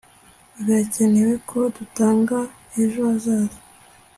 Birakenewe ko dutanga ejo hazaza